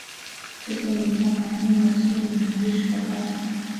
这些影响反映了苏里南历史的发展。